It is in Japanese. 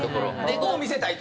どう見せたいと。